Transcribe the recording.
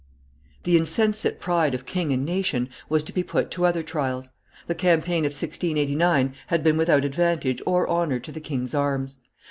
The insensate pride of king and nation was to be put to other trials; the campaign of 1689 had been without advantage or honor to the king's arms.